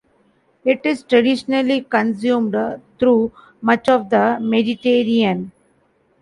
It is traditionally consumed through much of the Mediterranean.